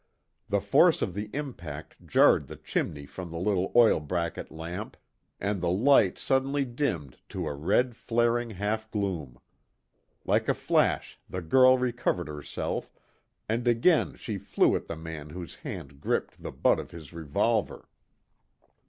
The force of the impact jarred the chimney from the little oil bracket lamp, and the light suddenly dimmed to a red flaring half gloom. Like a flash the girl recovered herself, and again she flew at the man whose hand gripped the butt of his revolver.